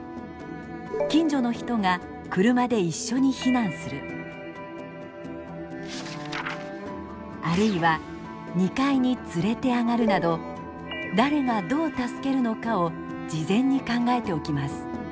近所の人が車で一緒に避難するあるいは２階に連れて上がるなど誰がどう助けるのかを事前に考えておきます。